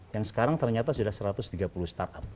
yang sekarang ternyata sudah satu ratus tiga puluh startup